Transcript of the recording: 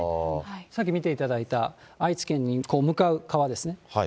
さっき見ていただいた、愛知県に向かう川ですね。